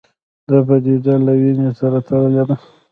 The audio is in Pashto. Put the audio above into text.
دا پدیده له وینې سره تړلې ده